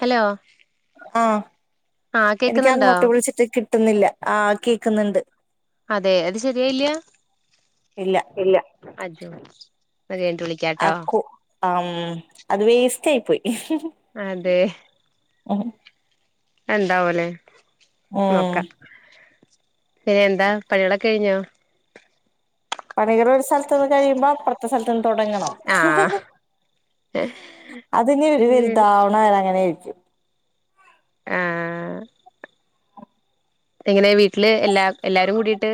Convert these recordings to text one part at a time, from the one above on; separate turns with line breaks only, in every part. Hello
ആ
ആ
എനിക്ക്
കേക്കുന്നുണ്ടോ
അങ്ങോട്ട് വിളിച്ചിട്ട് കിട്ടുന്നില്ല, ആ കേക്കുന്നുണ്ട്.
അതെ അത് ശരിയായില്ല്യാ? ഇല്ല അത് ശരിയായിട്ടില്ല.
ആ കോ ആം അത് വേസ്റ്റായി പോയി.
അതെ.
ഉം
എന്താവ്വല്ലേ നോക്കാം, പിന്നെ എന്താ പണികളൊക്കഴിഞ്ഞോ?
പണികളൊരു സ്ഥലത്തു നിന്ന് കഴിയുമ്പോ അപ്പറത്തെ സ്ഥലത്തന്ന് തുടങ്ങണം.
ഏ ഹ്
അതിനി വെലുതാവണ വരെ അങ്ങനേരിക്കും.
ആ എങ്ങനെ വീട്ടില് എല്ലാ എല്ലാരും കൂടിട്ട്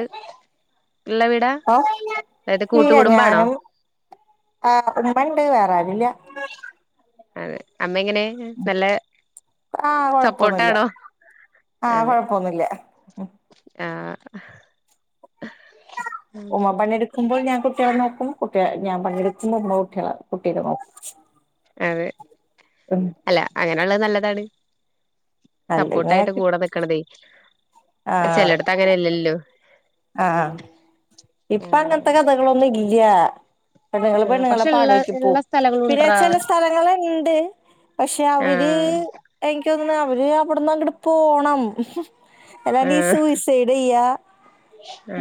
ഉള്ള വീടാ?
അ
അതായത്
ഇല്ല,
കൂട്ടുകുടുംബാണോ
ഞാനും ആ ഉമ്മണ്ട് വേറെ ആരുല്ല.
അതെ അമ്മയെങ്ങനെ? നല്ല
ആഹ്
സപ്പോട്ടാണോ? അതെ.
പോന്നില്ല.
ആ
ഉമ്മ പണിയെടുക്കുമ്പോൾ ഞാൻ കുട്ടികളെ നോക്കും, കുട്ട്യ ഞാൻ പണിയെടുക്കുമ്പോ ഉമ്മ കു ട്ടികളെ കുട്ടികളെ നോക്കും.
അതെ,
ഉം
അല്ല അങ്ങനെള്ളത് നല്ലതാണ്. സപ്പോട്ടായിട്ട്
അല്ലെങ്കി
കൂടെ നിക്കണതേ ചെലേടത്ത് അങ്ങനെയല്ലല്ലോ.
ആ
ആ
ഇപ്പ അങ്ങനത്തെ കഥകളൊന്നും ഇല്ല്യ. പെണ്ണുങ്ങള് പെണ്ണുങ്ങളെ
പക്ഷെ ഉള്ള
പാടോക്കി
ഉള്ള
പോകും.
സ്ഥലങ്ങളും
പിന്നെ
ഉണ്ടറാ
ചെല സ്ഥലങ്ങളുണ്ട്. പക്ഷെ അവര്
ആഹ്
എൻക്ക് തോന്നുന്നു അവര് അവിടന്നങ്ങട്ട് പോണം, അല്ലാണ്ടീ
ആഹ്
സൂയിസൈഡ് ചെയ്യാ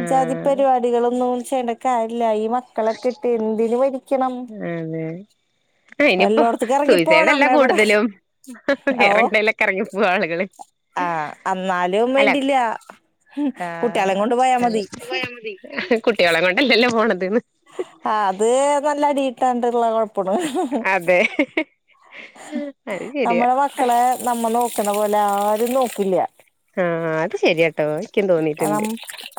ഇജ്ജാതി പരിപാടികളൊന്നും ചെയ്യേണ്ടക്കാര്യല്ലാ ഈ മക്കളൊക്കിട്ട് എന്തിന് മരി
അതെ. ഇനിയിപ്പോ
വല്ലോടത്തേക്ക് ഇറങ്ങിപ്പോണം
സൂയിസൈഡല്ല
എവിടെ
കൂടുതലും
ഓ
വേറങ്ങടേലൊക്കെ എറങ്ങിപ്പോവും ആളുകള്.
ആ അന്നാലും
അല്ല
വേണ്ടില്ല കുട്ടികളേം കൊണ്ട് പോയാ മതി.
കുട്ടികളേം കൊണ്ടല്ലല്ലോ പോണതിന്.
ആ അത് നല്ലടി കിട്ടാണ്ടൊള്ള കൊഴപ്പ അത്,
അതെ അത് ശരിയാ
നമ്മടെ മക്കളെ നമ്മ നോക്കണ പോലെ ആരും നോക്കില്ല
ആഹ അത് ശരിയാട്ടോ ഇക്കിം തോന്നീട്ടുണ്ട്
കാരണം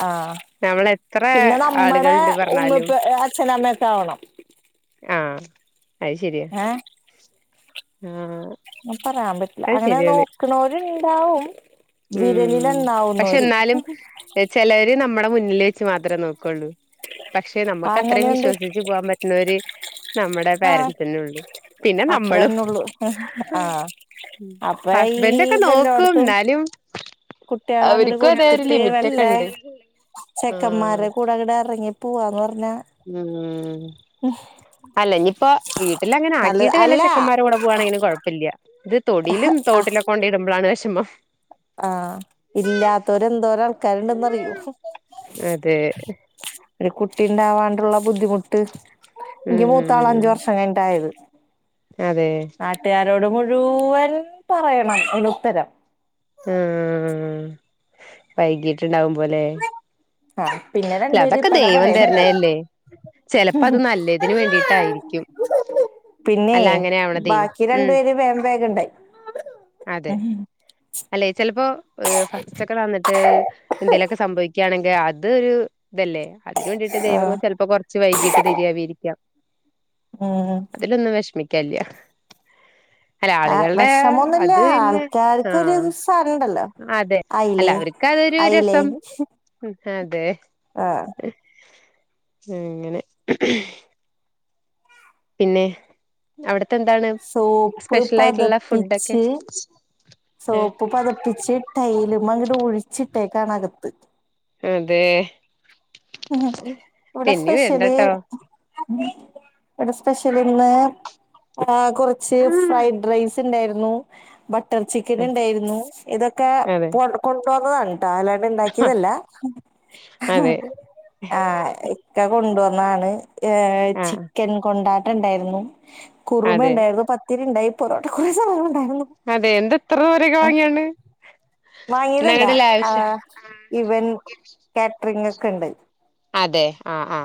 ആഹ്
നമ്മളെ
പിന്നെ നമ്മുടെ ഉമ്മിപ്പ അച്ഛനമ്മയൊക്കെ ആവണം
ആഹ അത് ശരിയാ
ഏഹ്
ആഹ
പറയാൻ പറ്റില്ല അങ്ങനെ നോക്കണവരു ഇണ്ടാവും വീരലില്ലണ്ണാവുന്നോര്
ചിലവര നമ്മുടെ മുന്നിൽ വച്ച്ു മാത്രമേ നോക്കുള്ളൂ പക്ഷെ നമുക്ക് അത്രയും
അങ്ങനെയുണ്ട്
വിശ്വസിിച്ചച്ച് പോകാൻ പറ്റ നറി [inaudible] നമ്മുടെ
ആഹ്
പേരൻസന്നെ ഉള്ളൂ പിന്നെ നമ്മളും
അത്രന്നെള്ളു ആഹ് അപ്പൊ ഈ
ഹസ്ബൻഡ ഒക്കെ നോക്കും എന്നാലും
കുട്ടികള അങ്ങടെ
അവർക്കും അതെ ഒരു
കൊടുത്തിട്ട്
ലിമിറ്റ് ഒക്കെ
വല്ല
ഉണ്ട് ആഹ്
ചെക്കന്മാരെ കൂടെ അങ്ങടെ ഇറങ്ങി പോവാന്ന് പറഞ്ഞാൽ
ഉം അല്ല ഇനിയിപ്പോ വീട്ടിൽ അങ്ങനെ
നല്ലത്
ആക്കിട്ട് വല്ല
അല്ല
ചെക്കന്മാരെ കൂടെ പോകവാണെങ്കിലും കുഴപ്പമില്ല ഇത് തൊടിയിലും തോട്ടിലൊക്കെ കൊണ്ട ഇടുമ്പോഴാണ് വിഷമം
ആഹ ഇല്ലാത്തോരെ എന്തോര ആൾക്കാരുണ്ടെന്നറിയോ
അതെ
ഒരു കുട്ടി ഉണ്ടാവാണ്ടുള്ള ബുദ്ധിമുട്ട് ഇ മൂത്താള
ഉം
അഞ്ച വർഷം അങ്ങനണ്ടായത്
അതെ
നാട്ടുകാരോട് മുഴുവൻ പറയണം ഇതിന് ഉത്തരം
ആഹ വൈകീട്ട്ണ്ടാവകുമ്പലെ
ആ പിന്നെ രണ്ടു പേര് പട
ദൈവം
പടേടന്ന്
തരണല്ലേ ചിലപ്പോ അത് നല്ലതിന് വേണ്ടിട്ടായിരിക്കും
ണ്ടായി പിന്നെ
അല്ല അങ്ങനെയാവണതേ
ബാക്ക ി രണ്ടു
ഉം
പേര് വേഗം വേഗം ണ്ടായി
അതെ. അല്ലെ ചിലപ്പോ ഫസ്റ്റ് ഒക്കെ വന്നിട്ട് എന്തേലൊക്കെ സംഭവിക്കും യാണെങ്കിൽ അത് ഒരു ഇതല്ലേ അതിന് വേണ്ടിട്ട് ദൈവങ്ങൾ ചിലപ്പോ കുറച്ച് വൈകീട്ട് തിരിയാവി ഇരിക്കാം
ഉം
ൊന്നും വിഷമിക്കാൻല്ല അല്ല
ആ
ആളുകളുടെ
വിഷമൊന്നുമില്ല
അത് പിന്നെ
ആൾക്കാർക്കൊരു
ആഹ
സാധനണ്ടല്ലോ
അതെ അല്ല
അയിലേ
അവർക്ക് അതൊരു
അയിലേ
രസം ഉ അതെ
ആഹ
അങ്ങനെ പിന്നെ അവിടത്തെ എന്താണ്
സോപ്പ്
സ്പെഷ്യൽ ആായിട്ടുള്ള ഫുഡൊക്കെ
പതപ്പിച്ച്
ഏഹ്
സോപ്പ് പതപ്പിച്ച് ടൈലു മമഅങ്ങിട്ട് ഒഴിച്ചിട്ടേ കാണ കത്ത്
അതെ
ഉ ഇവിടെ
തെന്നി
സ്പെഷ്യലി
വരണ്ടട്ടോ
ഇവിടെ സ്പെഷ്യലി ഇന്ന് ആ കൊറച്ച് ഫ്രൈഡ് റൈസ് ഉണ്ടായിരുന്നു ബട്ടർ ചിക്കൻ ഉണ്ടായിരുന്നു ഇതൊക്കെ
അതെ
കൊണ്ട പോന്നതാണ് കേട്ടാ അല്ലാ ണ്ടാക്കിയതല്ല
അതെ
ആ ഇക്ക കൊണ്ടുവന്നതാണ് ഏഹ
ആഹ്
ചിക്കൻ കൊണ്ടാട്ടം ഉണ്ടായിരുന്നു കുറുമ
അതെ
ഉണ്ടായിരുന്നു പത്ത് രിണ്ടായി പൊറോട്ടക്ക കുറേ സ സനങ്ങൾഉണ്ടായിരുന്നു
അതെ എന്ത ഇത്രത്ര [unintelligible] വാങ്ങിയാണ്ട്
വാങ്ങിയതല്ല ആ ഇവൻ കാറ്ററിംഗ ഒക്കെ ഉണ്ട്
അതെ ആ ആ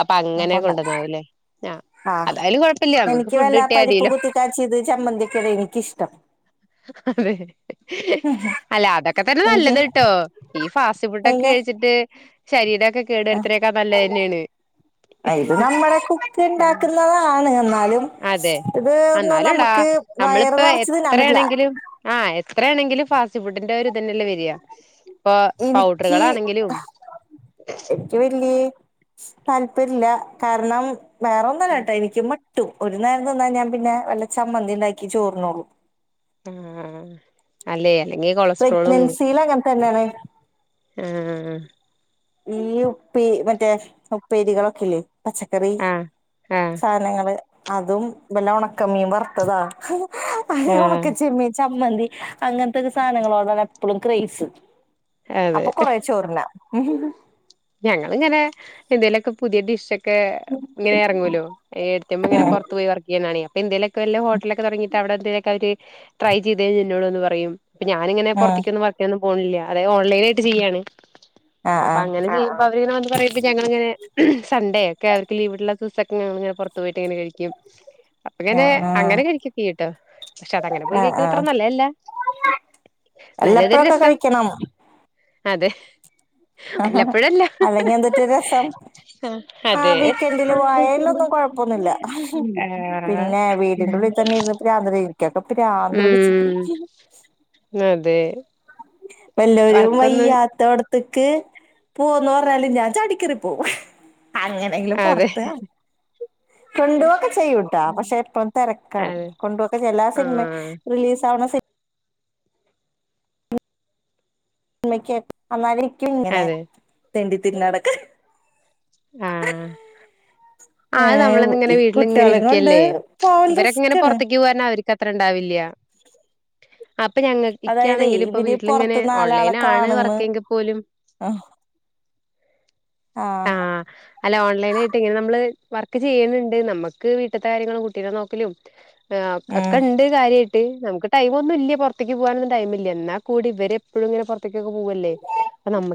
അപ്പൊ അങ്ങനെ
കൊണ്ട
കൊണ്ടുവന്നാവൂല്ലേ ആ
ആഹ്
അതായാലല് കുഴപ്പില്ല നമുക്ക് ഫുഡ് കിട്ടിയാ അതിീലോ
ഇത് ചമ്മന്തിക്കടെ എനിി ക്കിഷ്ടം
അതെ അല്ല അതൊക്കെ തന്നെ
എനിക്ക്
നല്ലത് ട്ടോ ഈ ഫാസ്റ്റ് ഫുഡൊക്കെ
എനിക്ക്
കഴിച്ചിട്ട് ശരീരമൊക്കെ കേടു വരു ആണേക്കാൾ നല്ലത് അതെന്നേണ്
ഇത് നമ്മുടെ കുക്ക്
ആഹ്
ഉണ്ടാക്കുന്നതാണ് എന്നാലും
അതെ
ഇത് ഒന്ന്
എന്നാലുടാ
നമുക്ക് വയറ്
നമ്മളിപ്പോ
നിറച് തിന്നാൽപറ്റില്ല
എത്രയാണെങ്കിലും ആഹ് എത്രയാണെങ്കിലും ഫാസ്റ്റ് ഫുഡിന്റെ ഒരു ഇതന്നെല്ലേ വരിക ഇപ്പ
എനിക്ക്
പൗഡറുകളാണെങ്കിലും
എനിക്ക് വല്ിയ താല്പര്യ ഇല്ല കാരണം വേറെൊന്നല്ല
ആ
കേട്ടോ എനിക്കും കിട്ടും ഒരു നേരം തന്നാൽ ഞാൻ പിന്നെ വല്ല ചമ്മന്തി ഉണ്ടാക്കി ചോറന്നള്ളൂ
ആഹ് അല്ലേ അല്ല
പ്രെഗ്നെൻസിയിൽ അങ്ങനെ തന്നെയാണ്
ആഹ്
ഈ ഉപ്പേ മറ്റേ ഉപ്പേരികളൊക്കെല്ലേ പച്ചക്കറി
ആഹ് ആഹ്
ങ്ങള് അതും വല്ല ഉണക്കമീൻ വറുത്തതാ അത് ഉണക്ക
ആഹ്
ചെമ്മി ചമ്മന്തി അങ്ങനത്തെൊക്കെ സാധനങ്ങളോടാണ് എപ്പോഴും ക്രേസ്
അതെ
അപ്പൊ കൊറേ ചോറിന്നാം
ഞങ്ങിങ്ങനെ എന്തേലൊക്കെ പുതിയ ഡിഷ ഒക്കെ ഒക്കെ ഇങ്ങനെ ഇറങ്ങുമല്ലോ ഏട്ത്തി അമ്മ ഇങ്ങനെ
ഉം
പുറത്ത് പോയി വർക്ക് ചെയ്യുന്നാണ ഇപ്പ എന്തേലുമൊക്കെ വല്ല ഹോട്ടലൊക്കെ തുടങ്ങിട്ട് അടെ എന്തെ ലൊക്കെ ട്രൈചെയ്തത് എന്നോട്ന്ന് പറയും ഇപ്പൊ ഞാനിങ്ങനെ
ആഹ്
പുറത്തേക്കൊന്നും വർക്കൊന്നും പോണില്ല അതെ ഓൺലൈൻ ആയിട്ട് ചെയ്യാണ്
ആഹ്
അപ്പ [unintelligible] സഡേ ഒക്കെ അവർക്ക് ലീവുള്ള ദിവസൊക്കെ ഞങ്ങളിങ്ങനെ പുറത്തക്കെ പോയിട്ട് ഇങ്ങനെ കഴിക്കും [unintelligible] അപ്പ ഇങ്ങനെ
ആഹ്
അങ്ങനെ
ആഹ്
കഴിക്കത്തില്ലാട്ടോ പക്ഷെ അത അങ്ങനെ പോയി
ആഹ്
കഴിക്കണ അത്ര
ആഹ്
നല്ലതല്ല നല്ലതൊരു
വല്ലപ്പോഴൊക്കെ
രസം
കഴിക്കണം
അതെ
ആഹ്
വല്ലപ്പോഴല്ല
അല്ലെങ്കിൽ എന്തട്ട് രസം ആഹ്
അതെ
വീക്കൻഡില് പോയലൊന്നും കൊഴപ്പൊന്നുമില്ല
ആഹ്
പിന്നെ വീ വറെ ഉള്ളിൽ തന്നെ ഇരുന്ന അഹ് ഇരിക്കക്കെ പ്രാന്ത് പിടിച്ചിട്ട്
ഉം അതെ
വല്ലറും
വർക്കൊന്നും
വയ്യ ഇടത്തക്ക് പോകാന്ന് പറഞ്ഞാലും ഞാൻ ചടിക്കേറി പോകും എങ്കും
അതെ
പൊറത്ത് കൊണ്ടുവൊക്കെ ചെയ്യൂട്ടാ പക്ഷെ ഇപ്പം തിരക്കാണ്
അതെ
കൊണ്ടു പോക്കെ ചെയല്ലാ സിനിമ
ആഹ്
റിലീസ് ആ ഉമ്മയ്ക്ക് അന്നാലരിക്കും ഇങ്ങനെ
അതെ
തെണ്ടി തിരിഞ്ഞുന്നടക്ക
ആഹ് ആഹ്
ഏഹ്
നമ്മളന്ന ഇങ്ങനെ
ഈ
വീട്ടിൽ ഇങ്ങനെ
കുട്ടികളേം കൊണ്ട്
ഇരിക്കല്ലേ
പോവല്
ഇവരൊക്കെങ്ങെന
റിസ്ക്കാണ്
പുറത്തേക്ക് പോകാന അവർ ത്ര ഉണ്ടാവില്ല അപ്പൊ ഞങ്ങ
അതായതേ
ഇക്കാണെങ്കിലും ഇപ്പൊ
ഇവര് പൊറത്ത്
വീട്ടിലിങ്ങനെ ഓൺലൈൻ ആണ് വർക്കാണെങ്കിൽ പോലും
ആഹ് ആഹ്
അല്ല ഓൺലൈന ആയിട്ട് ഇങ്ങനെ നമ്മള് വർക്ക് ചെയ്യുന്നുണ്ട് നമ്മുക്ക് വീട്ടത്തെ കാര്യങ്ങളും കുട്ടികളെ നോക്കലും ആഹ്
ഉം
ഒക്കെ ഉണ്ട് കാര്യമായിട്ട്മുക്ക് ടൈം ഒന്നും ഇല്ല പുറത്തേക്ക് പോകാനന്നുംടൈംമല്ല എന്നാൽ കൂടി ഇവരെ എപ്പോഴും ഇങ്ങന പുറത്തേക്കൊക്കെ പോകുവല്ലേ അപ്പ നമ്മ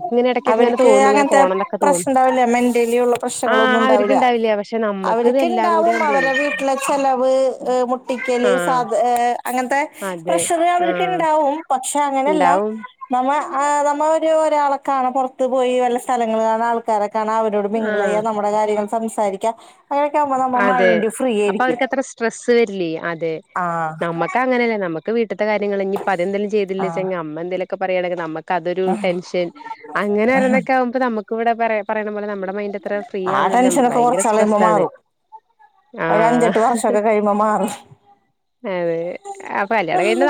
അവർക്ക് അങ്ങനത്തെ പ്രശ്നംണ്ടാവില്ല മെന്റലി ഉള്ള
ആഹ്
പ്രശ്നങ്ങളൊന്നും ഉണ്ടാവില്ല
അവർക്ക്ണ്ടാവില്ല പക്ഷെ നമ്മക്ക് ഇത്
അവർക്ക്
എല്ലാം കൂടി
ഇണ്ടാവും
ആവുമ്പളേ
അവരെടെ വീട്ടിലെ ചെലവ് പട്ടിക്കല്
ആഹ്
സാധ അങ്ങനത്തെ
അതെ
പ്രഷർ അവർക്ക്
ആഹ്
ഉണ്ടാവും പക്ഷെ അങ്ങനെയല്ല
ഇണ്ടാവും
നമ്മ നമ്മള ഒരു ഒരാള കാണൻ പുറത്ത് പോയി വല്ല സ്ഥലങ്ങ കാണാ ആൾക്കാരെ കാണാൻ അവരോട് മിങ്കിൾ
ആഹ്
ചെയ്യാ നമ്മ കാര്യങ്ങൾ സംസാരിക്കാം അങ്ങനെയൊക്കെ ആകുമ്പോ നമ്മ
അതെ
മൈഡ് ഫ്രീ
അപ്പൊ
ആയിരിക്കും
അവർക്ക് അത്ര സ്ട്രെസ്സ് വരിലേ അതെ
ആഹ്
ഒക്ക അങ്ങനല്ല നമുക്ക് വീട്ടിത്തെ കാര്യങ്ങള് ഇനിപ്പ അതെന്തെങ്കിലും ചെയ്തില്ലാച
ആഹ്
അമ്മ എന്തെലൊക്കെ പറയാണെങ്കിൽ നമക്ക് അതൊരു ടെൻഷൻ അങ്ങനെ ഒരൊന്നൊക്കെ ആകുമ്പൊ നമുക്ക് ഇവിടെ പറയാം പറയുന്ന പോലെ നമ്മുടെ മൈൻഡ് അത്ര ഫ്രീ
ആ
ആവണില്ല
ടെൻഷനൊക്കെ
ഭയങ്കര
കൊറച്ചാൾ കഴിയുമ്പോ
സ്ട്രെസ്ട് ആണ്
മാറും ഒരു അഞ്ചെട്ട് വർഷൊക്കെ കഴിയുമ്പോ മാറും
അതെ അപ്പൊ കല്യാണം കഴിഞ്ഞ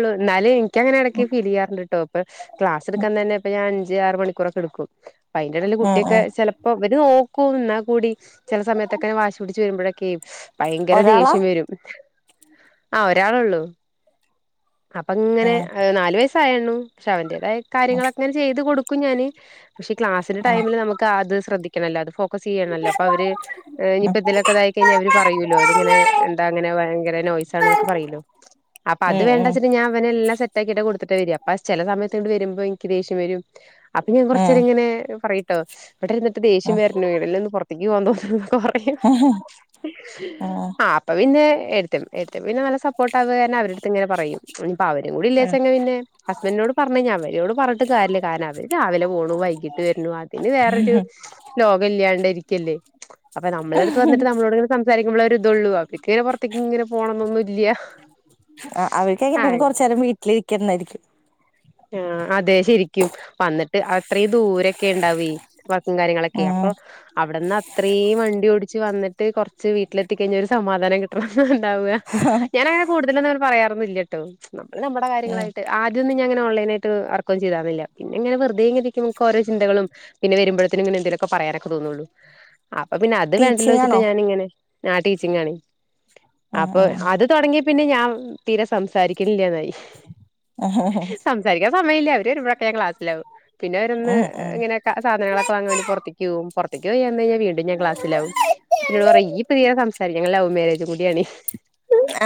[unintelligible] എന്നാലേ എനിക്ക് അങ്ങനെ ഇടക്ക് ഫീൽ ചെയ്യാറുണ്ട് കേട്ടോ അപ്പൊ ക്ലാസ് എടുക്കാൻ തന്നെ ഇപ്പൊ ഞാൻ അഞ്ച് ആറ് മണിക്കൂറൊക്കെടുക്കും അപ്പ അതിന്റെ ഇടയില്
ഉം
കുട്ടിയൊക്കെ
ഉം
ചെലപ്പോ ഇവര് നോക്കും എന്നാൽ കൂടി ചില സമയത്തൊക്കെ ക്കെ വാശി പിടിച്ച് വരുമ്പോഴൊക്കെയും ഭയങ്കര
ഒരാളാ
ദേഷ്യം വരും ആഹ് ഒരാളുള്ളൂ അപ്പൊ ഇങ്ങനെ
ഉം
നാല് വയസായിരുന്നു പക്ഷെ അവന്റേതായ കാര്യങ്ങളൊകങ്ങനെ ചെയ്ത് കൊടുക്കും ഞാന് പക്ഷെ ക്ലാസിന്റെ ടൈമില് നമുക്ക് അത് ശ്രദ്ധിക്കണലൊ ഒക്കെ ചെയ്യണല്ലോ അപ്പൊ അവര് ഇനിയിപ്പോ ഇതിലൊക്കെ ഇതായി കഴിഞ്ഞാൽ അവര് പറയൂലോ അത്ങ്ങിനെ
ഉം
എന്താ അങ്ങനെ ഭയര നോയിസ് ആണ്ന്നൊക്കെ പറയുല്ലോ
ഉം
അപ്പൊ അത്
ഉം ഉം
വേണ്ടച്ചട്ട് ഞാൻ ഇവനെല്ലാം സെറ്റാക്കിട്ട കൊടുത്തിട്ട് വരിക അ ചെല സമയത്ത്ണ്ട് വരുമ്പോ എനിക്ക് ദെയ്ഷ്യം വരും അപ്പൊ ഞാൻ
ഉം
കുറച്ചെരൊങ്ങനെ ഇവിടെ ഇരുന്നിട്ട് ദേഷ്യം
ഉം
വരുണു വീടിൽ നിന്ന് പുറത്തേക്ക് പോവാൻ തോന്നുന്നു പറയും ആഹ് അപ്പ പിന്നെ എട്ടത്തിയമ്മ എട്ടത്തിമ്മ പിന്നെ നല്ല [unintelligible] [unintelligible] അവരടുത്ത്ങ്ങെനെ പറയും ഇനിപ്പ അവരും കൂടി ഇല്ലേച
ഉം
പിന്നെ [unintelligible] പറഞ്ഞ ഞാൻ അവരൊട് പറഞ്ഞിട്ട് കാര്യല്ല കാര അവര് രാവിലെ പോണു വൈകിട്ട് വരുണു പിന്നെ വേറൊരു ലോകം ഇല്ലാണ്ട് ഇരിക്കല്ലേ അപ്പൊ നമ്മളുടെ അടുത്ത് വന്നിട്ട് നമ്മളോട് സംസാരിക്കുമ്പോള് ഒരു ഇതൊള്ളൂ അ [unintelligible] ഇങ്ങനെ പുറത്തേക്ക് ഇങ്ങനെ പോണന്നൊന്നും ഇല്ല
ആഹ് അവർക്ക് എങ്ങനെലും കൊറച്ച്
അങ്ങനെ
നേരം വീട്ടിലിരിക്കതായിരിക്കും
ആഹ് അതെ ശെരി കും വന്നിട്ട് അത്രയും ദൂരൊക്കെ ഉണ്ടാവേ വർക്കും കാര്യങ്ങളൊക്കെ അപ്പൊ
ഉം
അവിടുന്ന് അത്രയും വണ്ടി ഓടിച്ച് വന്നിട്ട് കുറച്ച് വീട്ടിലെത്തി കഴിഞ്ഞ ഒരു സമാധാനം കിട്ട ഉണ്ടാവു ഞാനങ്ങനെ കൂടുതലൊന്നും പറയാറൊന്നില്ലട്ടോ നമ്മള് നമ്മുടെ
ഉം
കാര്യങ്ങളായിട്ട് ആദ്യയൊന്നും ഞാൻ ഇങ്ങനെ ഓൺലൈനായിട്ട് വർക്കൊന്നും ചെയ്താരുന്നില്ല പിന്നെങ്ങനെ വെറുതെ നമുക് ഓരൊ ചിന്തകളും പിന്നെ വരുമ്പഴ്ത്തിന് ഇങ്ങനെ എന്തെലൊക്കെ പറയാ തോന്നള്ളൂ അപ്പൊ പിന്നെ അത്
ടീച്ചിങ്
വേണ്ടല്ലോെച്ചിട്ട്
ആണോ
ഞാൻ ഇങ്ങനെ ആഹ് ടീച്ചിങ്ങ് ആണ്
ആഹ് ആഹ്
അത് തുടങ്ങിയ പിന്നെ ഞാൻ തീരെ സംസാരിക്കലില്ലതായി
[inaudible]
സംസാരിക്കാൻ സമയില്ല അവര് വരുബഴൊക്കെ ഞാൻ ക്ലാസ്സിലാവും പിന്നെ അവരൊന്ന്
ഉം ഉം
ഇങ്ങനെ സാധനങ്ങളൊക്കെ വാങ്ങാൻ വേണ്ടി പുറത്തിക്ക് പൊകും പൊറുത്തിക് പോയിവന്ന് കഴിഞ്ഞാൽ വീണ്ടും ഞാൻ ക്ലാസ്സിലാവും പിന്നോട് പറയും ഇയ് ഇനി തിരെ സംസാരിക്കലില ലവ് മാരേജും കൂടിയാണ്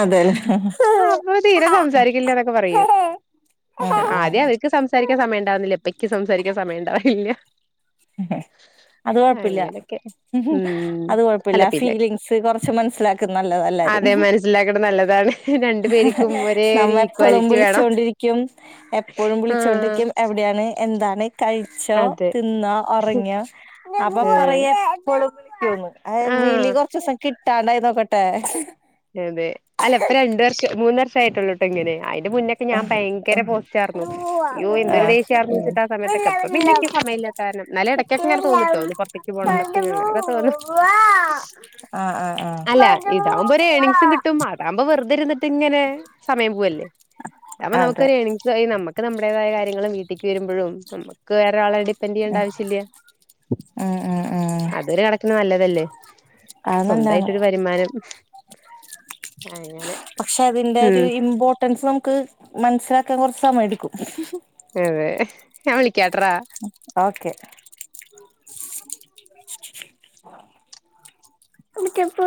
അതെല്ലേ
ആഹ് അപ്പ തീരെ സംസാരിക്കില്ലന്നൊക്കെ പറയും ആദ്യം അവർക്ക് സംസാരിക്കാൻ സമയം ഉണ്ടാവുന്നില്ല ഇപ്പേനിക്ക് സംസാരിക്കാൻ സമയം ഉണ്ടാവലില്ല
അത് കൊഴപ്പില്ല
ഉം
അത് കൊഴപ്പില്ല
അല്ല പിന്നെ
ഫീലിങ് സ് കുറച്ച് മനസ്സിലാക്കി നല്ലത എല്ലാരും
അതെ മനസ്സിലാക്കണ നല്ലതാണ് രണ്ടു പേർക്കും ഒരേ ഒരു
നമ്മ എപ്പോളും
ഈക്വാലിറ്റി വേണം
വിളിച്ചൊണ്ടിരിക്ക കും എപ്പഴും
ആഹ്
വിളിച്ചോണ്ടിരിക്കും എവിടെയാണ് എന്താണ് കഴിച്ചോ
അതെ
തിന്നോ ഉറങ്ങിയൊ അപ്പൊ
ഏഹ്
പറയും എപ്പേളും വിളിക്കുന്ന് വിളി
ആഹ്
കൊറച്ചൂസം കിട്ടാണ്ടായി നോക്കട്ടെ
അതെ അതെ അല്ല ഇപ്പം രണ്ടു വർഷം മൂന്ന് വർഷം ആയിട്ടുള്ളൂട്ടോ ഇങ്ങനെ അയി അയിന്റെ മുന്നൊക്കെ ഞാൻ
ആഹ്
ഭയങ്കര പോസ്റ്റാർന്നു അയ്യോ
ആഹ്
എന്തൊരു ദേഷ്യം ആന്ന് വെച്ചിട്ടാ ആ സമയത്തൊക്കെ ഇപ്പ പിന്നെനിക്ക് സമയില്ല കാരണം എന്നാലും എടക്കൊക്കെ ഇങ്ങനെ തോന്നുട്ടോ ഒന്ന് പുറത്തേക്ക് പോണം എന്നൊക്കെ അങ്ങനൊക്കെ തോന്നും അല്ലാ
ആഹ്
ഇതാകുമ്പോ ഒരു എണിങ്സും
ആഹ്
കിട്ടും അതാകുമ്പോ വെറുതെരുന്നിട്ട് ട്ടിങ്ങനെ സമയം പോവല്ലേ ഇതാവുബൊ
അതെ
നമുക്കൊരു ഏണീംഗ്സുമായി നമ്മക്ക് നമ്മടേതായ കാര്യങ്ങള് വീട്ടിക്ക് വരുമ്പോഴും നമുക്ക് ക് വേറൊരാളെ ഡിപ്പെൻഡ് ചെയ്യണ്ട ആവശ്യല്ല
ആഹ് ആഹ് ആഹ്
അതൊരു കണക്കിന് നല്ലതല്ലേ
അത് നല്ലാണ്
സ്വന്തമായിട്ടൊരു വരുമാനം അങ്ങനെ
പക്ഷെ അതിന്റെ
ഉം
ഒരു ഇമ്പോർട്ടൻസ് നമുക്ക് മനസ്സിലാക്കാൻ കുറച്ച് സമയം എടുക്കും
അതെ ഞാൻ വിളിക്കാട്ടറ
ഓക്കെ [unintelligible]